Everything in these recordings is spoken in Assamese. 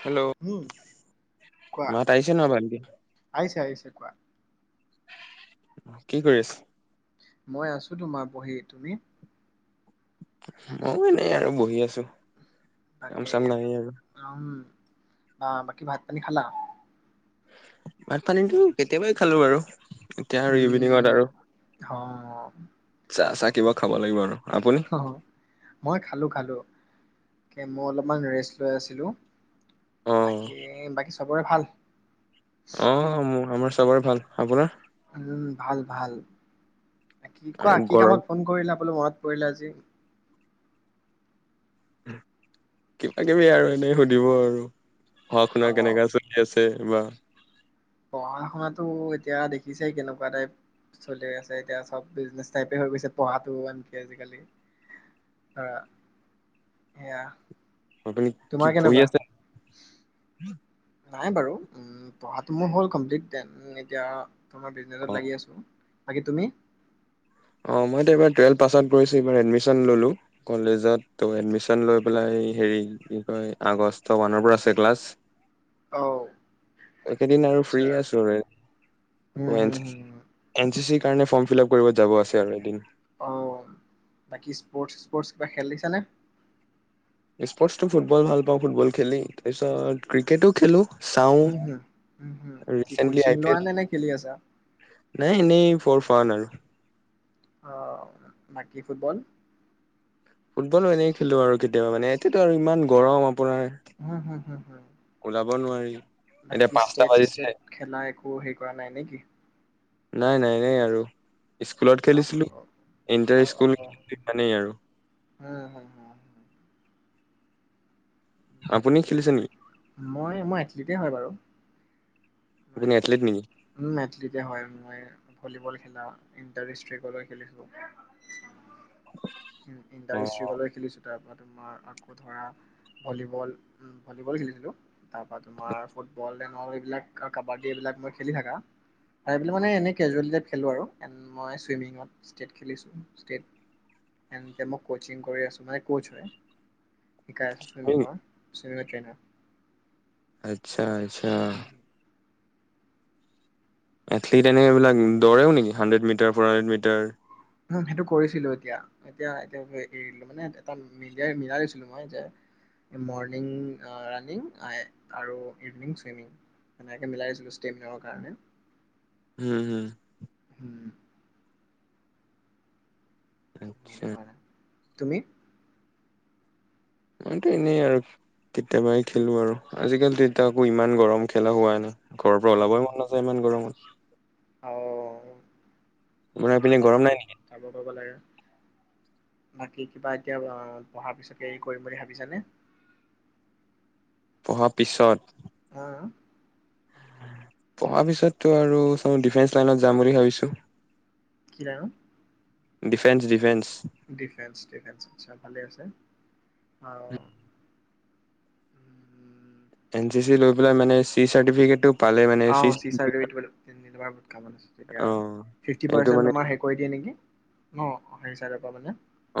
হেল্ল' উম কোৱা মাত আহছে ন পালকি আহিছে [unintelligible] আহিছে কোৱা কি কৰি আছে। মই আছো তোমাৰ বহি তুমি। মই এনেই আৰু বহি আছো। কাম তাকে চাম নাই আৰু অ [unintelligible] আহ বাকি ভাত পানী খালা? ভাত পানীটো কেতিয়াবাই খালো বাৰু। এতিয়া আৰু ইভিনিঙত উম আৰু চাহ চাহ কিবা হিক খাব লাগিব আৰু আপুনি? [unintelligible] অ মই খালো খালো। মই অলপমান ৰেষ্ট লৈ আছিলো। অ বাকী বাকী চবৰে ভাল। অ মোৰ [unintelligible] চবৰে ভাল, আপোনাৰ? উম ভাল ভাল। কি আৰু কোৱা কি গৰম কামত ফোন কৰিলা? [unintelligible] মনত পৰিলে আজি। কিবা কিবি আৰু এনেই সুধিব আৰু। হওক অ না কেনেকে আছো কি আছো। তে বা। পঢ়া শুনাতো এতিয়া দেখিছে কেনেকুৱা টাইপ চলি আছে, এতিয়া চব বিজনেছ টাইপে হৈ গৈছে পঢ়াটো আনকি আজিকালি ধৰা সেয়া। আপুনি কি তোমাৰ পঢ়ি কেনেকুৱা আছেনে? নাই বাৰু। উ পঢ়াটো মোৰ হ'ল কমপ্লিট দেন এতিয়া। তোমাৰ অ বিজনেছত লাগি আছো। বাকি তুমি? মই এতিয়া এবাৰ টুলেভ পাছত গৈছো। এবাৰ এদমিচন ললো কলেজত, তৌ এদমিচন লৈ পেলাই এই হেৰি কি কয় আগষ্ট মানৰ পৰা আছে ক্লাছ। অ একেদিন আৰু ফ্ৰি আচ্ছা আছো আৰু হুম হুম হুম হুম। N C C. কাৰণে ফৰ্ম ফিল আপ কৰিব যাব আছে। [unintelligible] এদিন অ', বাকী স্পৰ্টচ স্পৰ্টচ কিবা খেলিছানে? স্পৰ্টচটো ফুটবল ভাল পাওঁ ফুটবল খেলি, তাৰপিছত ক্ৰিকেটো খেলোঁ। উম হম হম কি কচিং আই পি এল লোৱানে নে খেলি আছা? নাই এনেই ফৰ ফান আৰু। অ', বাকী ফুটবল? ফুটবলো এনে খেলো আৰু কেতিয়াবা মানে এতিয়াতো আৰু ইমান গৰম। পোনাৰ। হুম হুম হুম হুম বাকী পাঁচটা ষ্টেট-ষ্টেট বাজিছিলে খেলা একো হেৰি কৰা নাই নেকি? নাই নাই নাই আৰু। স্কুলত অ খেলিছিলোঁ, ইণ্টাৰ অ অ স্কুল সিমানেই আৰু। হুম হুম হুম আপুনি খেলিছে নেকি? মই মই এথলিটে হয় বাৰু। আপুনি এথলিট নেকি? উ এথলিটে হয় মই ভলীবল। খেলা ইণ্টাৰ ডিষ্ট্ৰিকলৈ খেলিছোঁ। ইণ্টাৰ অ ইষ্ট্ৰী কলৈ হয় খেলিছোঁ তাৰ পৰা। তোমাৰ আকৌ ধৰা ভলীবল উম ভলীবল খেলিছিলোঁ। তাৰ পৰা তোমাৰ ফুটবল। টেঙৰ এইবিলাক। কাবাডী এইবিলাক মই খেলি থাকা, আৰু এইবিলাক মানে এনেই কেজুৱেলী টাইপ খেলোঁ আৰু এণ্ড মই চুইমিঙত ষ্টেট খেলিছোঁ ষ্টেট এণ্ড এতিয়া মই ক'চিং কৰি আছোঁ মানে ক'চ হয়। শিকাই আছোঁ চুইমিংৰ। নেকি? Cinema trainer. আচ্ছা আছা। হুম। এথলিট এনে এইবিলাক দৌৰেও নেকি hundred metre four hundred metre. সেইটো কৰিছিলোঁ এতিয়া এতিয়া এ এৰি মানে এটা [unintelligible] মিলাই লৈছিলোঁ মই যে মৰ্ণিং ৰাণিং আৰু ইভিনিং চুইমিং সেনেকে মিলাই লৈছিলোঁ ষ্টেমিনাৰ কাৰণে। হু, হু। উম, সেইটো আত্ছা। কাৰণে তুমি? মইতো এনেই আৰু কেতিয়াবাই খেলো আৰু। আজিকালিতো এতিয়া আকৌ ইমান গৰম খেলা হোৱা নাই। ঘৰৰ পৰা ওলাবই মন নাযায় ইমান গৰমত। অ'। আপোনাৰ আৰু পিনে যাব গৰম নাই নেকি? যাব পাব লাগে। বাকী কিবা এতিয়া পঢ়াৰ পিছতে হেৰি কৰিম বুলি ভাবিছানে? পঢ়াৰ পিছত। হা। পঢ়াৰ পিছততো আৰু চাও ডিফেন্স লাইনত যাম বুলি ভাবিছোঁ। কি নাম। ডিফেন্স ডিফেন্স আহ এন চি চি লৈ পেলাই মানে চি চাৰ্টিফিকেট অ চি চাৰ্টিফিকেট বহুত কামত দিয়ে। অ ফিফটি এইটো পাৰ্চেণ্ড মানে তোমাৰ হেৰি কৰি দিয়ে নেকি? অ হেৰি চাৰে পৰা মানে অ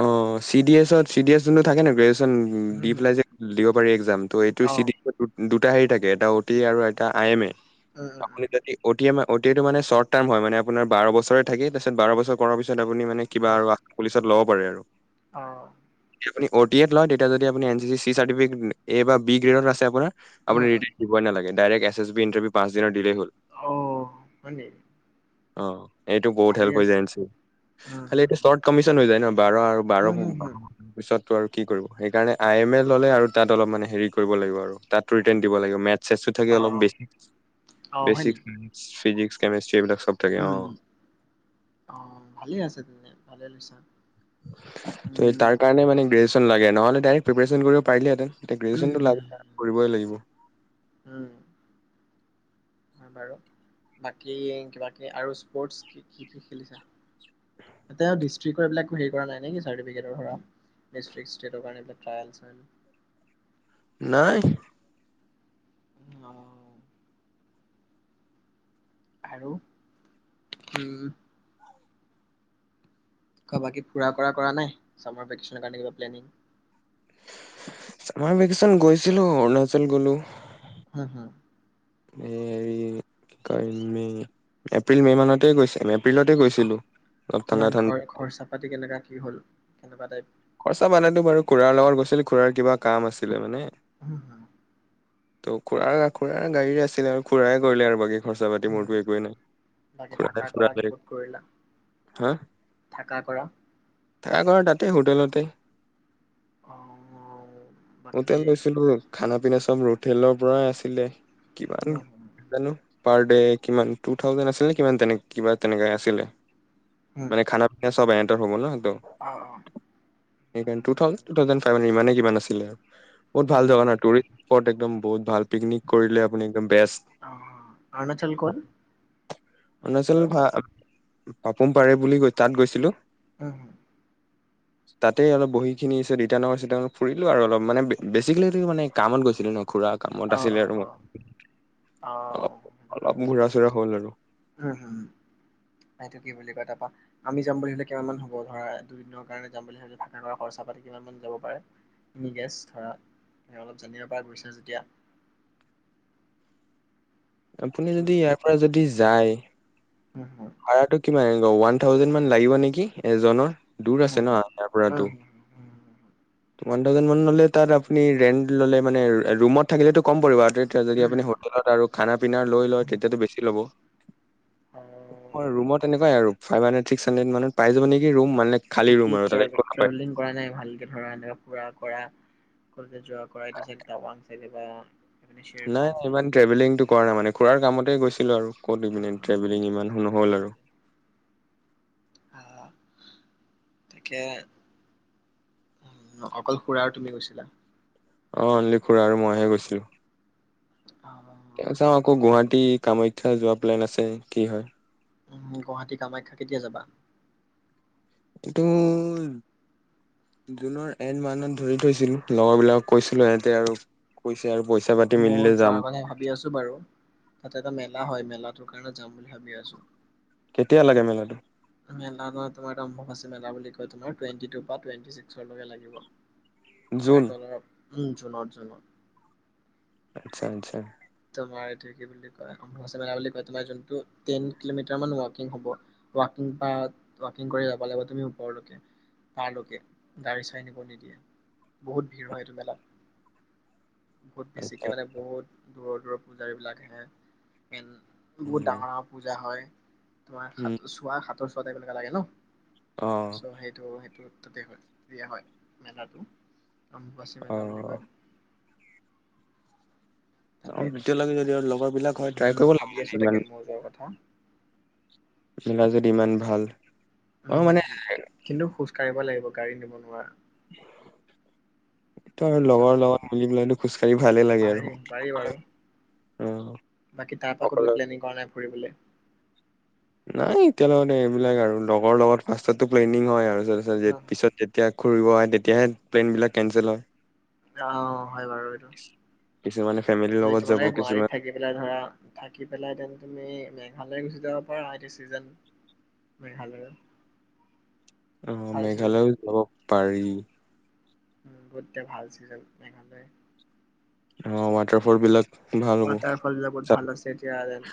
চি ডি এছত চি ডি এছ যোনটো থাকে গেছ উম, দি উম, পেলাই যে দিব পাৰি এক্সম এই টো অ' হাৰি থাকে এটা অতি আৰু এটা আই এম এ। উম উম আপুনি উম যদি ওটম এম ঔ তি টো মানে চৰ্টা টাম হয় মানে আপোনাৰ বাৰ বছৰ থাকি তাৰপিছত বাৰ বছৰ কৰা পিছত আকৌ আপুনি মানে কিবা আৰু পুলিচত লগ কৰে আৰু আহ। আপুনি অ টি এ লয় তেতিয়া যদি আপনি N C C C certificate বা বি গ্ৰেড আছে আপোনাৰ আপুনি উম, উম, ৰিটান দিবই নালাগে। Direct S S B interview পাঁচ দিনৰ দিলেই হ'ল। অ হয় নি! অ। এইটো বহুত হেল্প হৈ যায় উম, খালি এইটো শৰ্ট কমিচন হৈ যায় ন বাৰ আৰু বাৰ উম, বাৰ ব উম, হম, হম, পিছত আৰু কি কৰিব সেইকাৰণে আই এম এল ল'লে আৰু তাত অলপ মানে হেৰি কৰিব লাগিব আৰু তাত ৰিতেন দিব লাগিব মে চেচ ও থাকে অলপ অ', বেছি অ', হয় বেচি নেকি? ফিজিক্স কেমেষ্ট্ৰী এই বিলাক উম অ ভালে আছে তেনে ভালে লৈছা। ত উম, তাৰ কাৰণে মানে গ্ৰেছ লাগে নহলে ডাইৰেক্ প্ৰিপেশ্যন কৰিব পিলেহেঁন। এতিয়া উম, গ্ৰেজুৱেচনতটো লাগ কৰিবই লাগিব। উম, হয় বাৰু বাকী কিবা কিবি আৰু স্পৰ্ট কি কি খেলিছো? এতিয়া ডিষ্ট্ৰিকৰ এইবিলাক হেৰি কৰা নাই নি চাৰ্টিফিকেটৰ পৰা ডিষ্ট্ৰিক ষ্টেট ৰ কাৰণে ট্ৰেইল ছাইল। নাই উম অ আৰু উম। বাকী ফুৰা কৰা কৰা নাই চামাৰ ভেকেচন কাৰণে কিবা প্লেনিং। আমাৰ ভেকেচন গৈছিলো অৰুণাচল গলো। হা হা হে কি কয় মে এপ্ৰিল মে মানতে গৈছে এপ্ৰিলতে আহ গৈছিলো অলপ ঠাণ্ডা কিমান ঠাণ্ডা খৰছা পাতি পাতি কেনেকা কি হল। কেনেকুৱা টাইপ খৰচা পানেতো বাৰু খুৰাৰ লগত গৈছিল খুৰাৰ কিবা কাম আছিলে মানে উম হ ত' খুুৰাৰ খুুৰাৰ গাড়ীৰে আছিলে আৰু খুড়াই কৰিলে আৰু বাকী খৰচা পাতি মোৰতো একোৱেই নাই বাকী থাকা খুৰা কৰা কি খুৰা ক'ত কৰিলা হা থাকা কৰা ত কৰা তাতে হোটেলত তে অ বাকী হোটেল গৈছিলো খানা পিনা চব ৰুটি তেলৰ পৰাই আছিলে কিমান উম জানো পাৰ ড কিমান টু থাউজেণ্ড আছিল নে কি তেনে কিবা তেনেক আছিলে মানে খানা পিনা চব হব ন তা অ, অ। সেইকাৰনে two thousand, two thousand five hundred ইমানে কিমান আছিলে। বহুত ভাল উম জাগা নাই [unintelligible] দম বহত ভাল। পিকনিক কৰিলে আপুনি একদম বেষ্ট। অ অৰুণাচল ক'ত অৰুণাচল অৰুণাচলৰ ভা পাপুম পাৰে বুলি গৈ তাত গৈছিলো অ তাতে অলপ বহিখিনি ইটানগৰ চিতানগৰ ফুৰিলো আৰু অলপ মানে বেছিকেলি মানে কামত গৈছিলো ন। ঘুৰা কামত অ অ আছিলে আৰু অ মই, অ অলপ-অলপ ঘুৰা-চুৰা হ'ল আৰু। উম হম, এইটো কি বুলি কয় তাৰপা আমি যাম বুলি হলে কিমান মান হ'ব? ধৰা দুদিনৰ কাৰণে যাম বুলি হলে থকা কৰা খৰচা পাতি কিমান মান যাব পাৰে? নিগেছ ধৰা অলপ জানিব পৰা গৈছে যেতিয়া আপুনি যদি ইয়াৰ পৰা যদি যায় উ। ভাড়টো কিমান? ওৱান থাউজেণ্ড মান লাগিব নেকি এজনৰ। দূৰ আছে ন ইয়াৰ পৰাতো? ওৱান থাউজেণ্ড মান ল'লে তাত আপুনি ৰেন্ট ল'লে মানে ৰুমত থাকিলেতো কম পৰিব আৰ হোত আৰু যদি আপুনি হোটেলত আৰু খানা-পিনা লৈ লয়, তেতিয়াটো বেছি ল'ব। বাকী ৰোমত তেনেকুৱাই আৰু। ফাইভ হান্দ্ৰেড ছিকস হান্দ্ৰেদ মানত পাই যাব নেকি ৰোম? বাকী ট্ৰেভ-ট্ৰেভেলিং কৰা নাই ভালকে পাৰা নাই। ঘূৰা-কৰা, কবালৈ যোৱা কৰা, এইটো চাইড টাৱাং চাইডে বা এইপিনে নাই, চেৰগাঁও চাইড ইমান ট্ৰেভেলিংটো কৰা নাই মানে খুৰাৰ কামত কতে গৈছিলো আৰু ক'ত দি পিনে ট্ৰেভেলিং ইমান নহ'ল হয় আৰু। নেকি আহ তাকে উ অকল খুুৰা আৰু তুমি গৈছিলা? অ, অনলি খুৰা আৰু মইহে গৈছিলো। অ। চাও আকৌ গুৱাহাটী কামাখ্যা যোৱা প্লেন আছে, কি হয়। উ, গুৱাহাটী কামাখ্যা কেতিয়া যাবা? এইটো জুনৰ এন্ড মানত ধৰি থৈছিলো। লগৰবিলাকক কৈছিলো। ইহতে আৰু কৈছিল মই যোৱাৰ কথা ভাবি আছো বাৰু। তাতে এটা মেলা হয়, মেলাত দ কাৰণে যাম বুলি ভাবি আছো। কেতিয়া লাগে মেলাটো? মেলা বা তোমাৰ নাম অম্বুবাচী মেলা বুলি কয়। তোমাৰ টুৱেন্টি টুৰ পৰা টুৱেন্টি ছিক্সলৈকে লাগিব। জুন তোমাৰ তলৰ জুনত, জুনত। আচ্ছা, আচ্ছা তোমাৰ এইটো কি বুলি কয়, অম্বুবাচী মেলা বুলি কয়। তোমাৰ যোনটো টেন কিলোমিটাৰ মান ৱাকিং হ'ব, ৱাকিং পা ৱাকিং কৰি যাব লাগিব তুমি ওপৰলৈকে। তাৰলৈকে গাড়ী চাৰি নিব নিদিয়ে। বহুত ভিৰ হয় এইটো মেলাত। বহুত আচ্ছা বেছিকে মানে বহুত দূৰৰ দূৰৰ পূজাৰী বিলাকহেন বহুত উম ডাঙৰ ডাঙৰ পূজা হয়। তোমা হাত উম চোৱা হাতৰ লগা লাগে ন'। অ চ' সেইটো সেইটো ততে হনদিয়া হয় মেলাটো আম্বুবাছি অ মেলা বুলি কয়। অ', তাতে দ্বিতীয় লাগে যদি আৰু লগৰ বিলাক হয় ট্ৰাই উম কৰিব ভাবি লাগিব আছো তাকে ইমান মই যোৱাৰ কথা। মেলা যদি ইমান ভাল। অ উম, হুম, মানে হম কিন্তু খোজ কঢ়িব লাগিব। গাড়ী নিব নোৱাৰা। তোৰ লগৰ [unintelligible] লগত মিলি পেলাইতো খোজকাঢ়ি ভালে লাগে আৰু পাৰি পাৰি বাৰু অ বাকী তাৰ পৰা কতো অকলে প্লেনিং কৰা নাই ফুৰিবলে। নাই এতিয়া লগতে এইবিলাক আৰু লগৰ লগত প্তাতটো প্লেনিং হয় আৰু। অ', পিছত তেতিয়া ঘূৰিব আহে তেতিয়াহে প্লেইনবিলাক কেনঞ্চেল হয়। অ', হয় বাৰু এইটো কিছুমানে ফেমিলিৰ যদি লগত যাব তোমালে কিছুমান গুৱাহাটীত থাকি পেলাই ধৰা থাকি পালাহেঁতেন তুমি মেঘালয় গুচি যাব পাৰা এতি চিজন মেঘালয়ৰ অ', ভাল ছিজন মেঘালয়ও যাব পাৰি। উম, বহুততিয়া ভাল চ মেঘালয় অ', ৱাটাৰফল বিলাক ভাল হ'ব ৱাটাৰ ফ'লবিলাক বহুত চাব ভাল আছে এতিয়া যেন।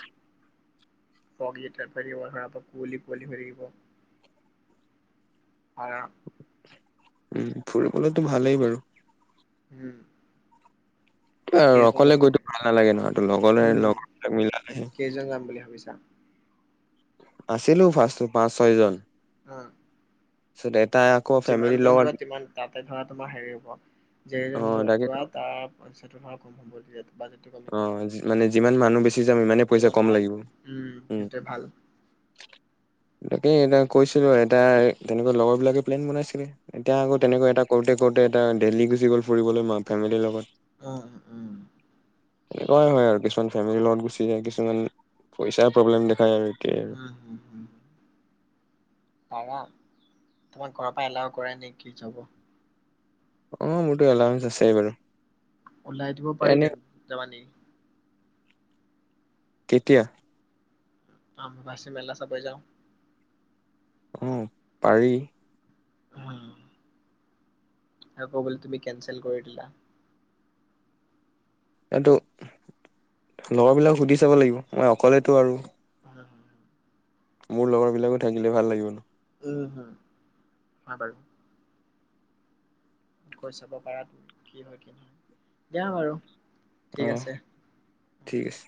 চগিট পৰি কুঁৱলি কুৱঁলি ভকিব কাৰ উম, ফুৰিবলৈতো ভালেই বাৰু। উম। কেইজন অকলে যাম বুলি গৈতো ভাল ভাবিছা? নালাগে নহয়ো লগ উম, লগৰবিলাক মিলিলে কেইজন যাম বুলি ভাবিছা? আছিলো ফাৰ্ষ্ট পাঁচ ছয় জন। উম। চু দেট তাই আকৌ ফেমিলিৰ লগত তিমান তাতে ধৰা তোমাৰ হেৰি হ'ব। যেইজন অ', তাকেতো যোৱা তাৰ তোমাৰ ফোন নম্বৰ দিয়া টো অঁ মানে যিমান মানুহ বেছি যাম ইমানেই পইচা কিমান কম ভাল লাগিব উম সেইটোৱে ভাল তাকেই এতিয়া কৈছিলো এটা তেনেকুৱা লগৰবিলাকে প্লেন বনাইছিলে এতিয়া আকৌ উম তেনেকৈ এটা কওঁতে কওঁতে এটা দেলহি গুচি গ'ল ফুৰিবলৈ ম ফেমিলিৰ লগত। অঁ উম। তেনেকুৱাই হয় আৰু কিছুমান ফেমিলিৰ লগত গুচি যায় কিছুমান পইচাৰ প্ৰব্লেম দেখায় আৰু। এতিয়াই আৰু। উম উম উম পাব তোমাক ঘৰৰ পৰা এলাওঁ কৰে নেকি যাব অঁ মোৰতো এলাওঁ আছে বাৰু ওলাই দিব এনে পাৰিহেতেন যাবা নেকি কেতিয়া? আববাছি মেলা চাব যাওঁ। অঁ পাৰি আকৌ বোলে তুমি কেনচেল কৰি দিলা এইটো লগৰ বিলাকক সুধি চাব লাগিব মই অকলেতো আৰু উম হুম হুম। মোৰ লগৰ বিলাকো থাকিলে ভাল লাগিবটো। উম হয় বাৰু কৈ চাব পাৰা কি হয় কি নহয় দিয়া বাৰু ঠিক অঁঃ ঠিক আছে।